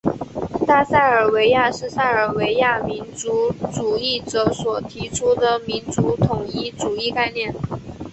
大塞尔维亚是塞尔维亚民族主义者所提出的民族统一主义概念。